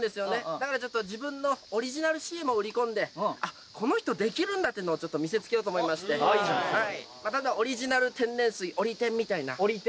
だから自分のオリジナルＣＭを売り込んであこの人できるんだってのを見せつけようと思いましてオリジナル天然水オリ天みたいなオリ天？